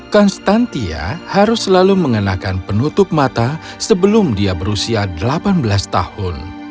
konstantia harus selalu mengenakan penutup mata sebelum dia berusia delapan belas tahun